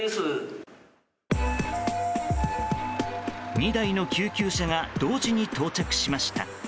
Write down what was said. ２台の救急車が同時に到着しました。